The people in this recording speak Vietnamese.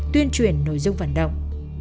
tuyên truyền nội dung phản động